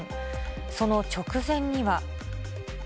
その直前には。